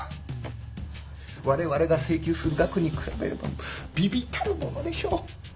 われわれが請求する額に比べれば微々たるものでしょう。